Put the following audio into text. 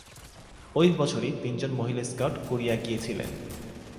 ঐ বছরই, তিনজন মহিলা স্কাউট কোরিয়া গিয়েছিল।